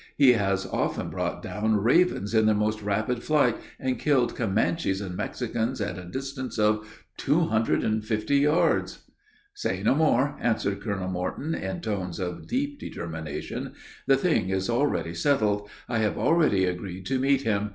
He has often brought down ravens in their most rapid flight, and killed Camanches and Mexicans at a distance of of two hundred and fifty yards!" "Say no more," answered Colonel Morton, in tones of deep determination; "the thing is already settled. I have already agreed to meet him.